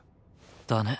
だね。